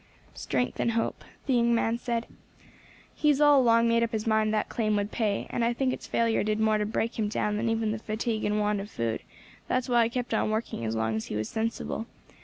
"Strength and hope," the young man said. "He has all along made up his mind that claim would pay, and I think its failure did more to break him down than even the fatigue and want of food; that was why I kept on working as long as he was sensible.